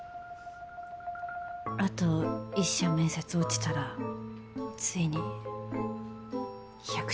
あと１社面接落ちたらついに１００社です。